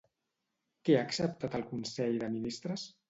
Què ha acceptat el consell de ministres?